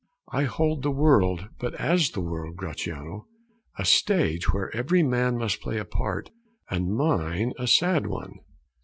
I hold the world but as the world, Gratiano A stage where every man must play a part, And mine a sad one.